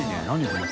これ。